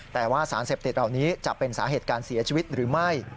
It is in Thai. แต่ว่าสารเสพติดเหล่านี้จะเป็นสาเหตุการเสียชีวิตหรือไม่